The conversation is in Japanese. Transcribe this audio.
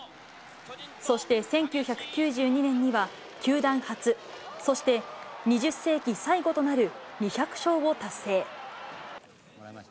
そして１９９２年には、球団初、そして２０世紀最後となる２００勝を達成。